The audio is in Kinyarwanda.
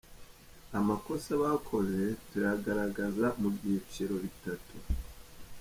Amakosa bakoze turayagaragaza mu byiciro bitatu.